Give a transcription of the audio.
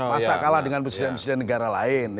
masa kalah dengan presiden presiden negara lain